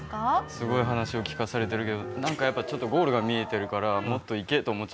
すごい話を聞かされてるけどなんかやっぱちょっとゴールが見えてるからもっといけって思っちゃいますね。